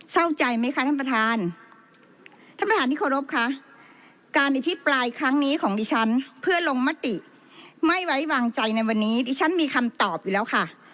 เศร้าใจไหมคะท่านประธานท่านประธานที่เคารพคะการอภิปรายครั้งนี้ของดิฉันเพื่อลงมติไม่ไว้วางใจในวันนี้ดิฉันมีคำตอบอยู่แล้วค่ะ